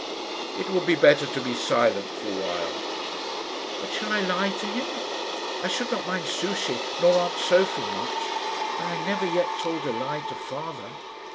"It would be better to be silent for a while." "But shall I lie to him? I should not mind Souchey nor aunt Sophie much; but I never yet told a lie to father."